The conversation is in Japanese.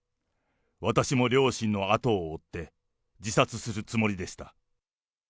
私も両親の後を追って、自殺するつもりでした。